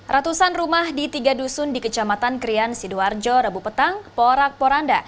ratusan rumah di tiga dusun di kecamatan krian sidoarjo rabu petang porak poranda